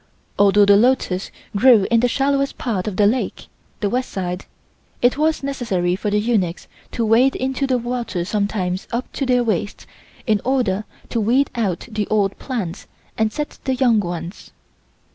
Although the lotus grew in the shallowest part of the lake (the West side) it was necessary for the eunuchs to wade into the water sometimes up to their waists in order to weed out the old plants and set the young ones.